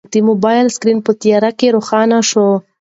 د موبایل سکرین په تیاره کې روښانه شو.